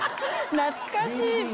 懐かしい。